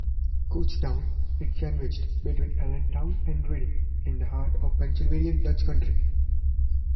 Kutztown is sandwiched between Allentown and Reading in the heart of Pennsylvania Dutch Country.